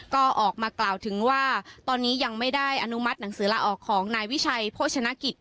ก็ออกมากล่าวถึงว่าตอนนี้ยังไม่ได้อนุมัติหนังสือลาออกของนายวิชัยโภชนกิจ